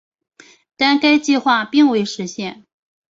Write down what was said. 但该计划并未实现。